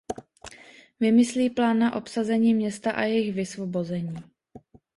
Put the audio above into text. Vymyslí plán na obsazení města a jejich vysvobození.